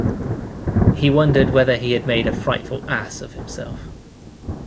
He wondered whether he had made a frightful ass of himself.